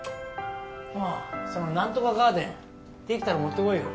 そのなんとかガーデン出来たら持ってこいよ。